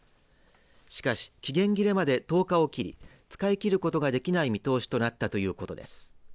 しかし、期限切れまで１０日を切り使い切ることができない見通しとなったということです。